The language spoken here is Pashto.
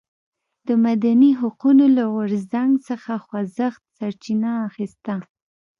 د مدني حقونو له غورځنګ څخه خوځښت سرچینه اخیسته.